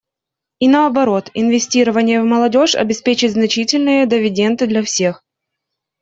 И наоборот, инвестирование в молодежь обеспечит значительные дивиденды для всех.